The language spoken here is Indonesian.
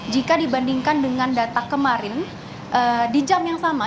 jika dibandingkan dengan data kemarin di jam yang sama